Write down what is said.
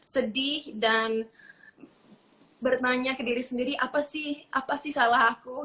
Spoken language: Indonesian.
sedih dan bertanya ke diri sendiri apa sih apa sih salah aku